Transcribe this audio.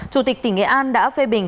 chủ tịch tỉnh nghệ an đã phê bình